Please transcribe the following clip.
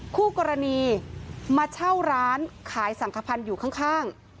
คู่กรณีมาเช่าร้านขายสังขพันธ์อยู่ข้าง